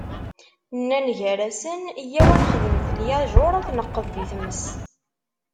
Nnan gar-asen: Yyaw ad nxedmet lyajuṛ, ad t-neqqed di tmes.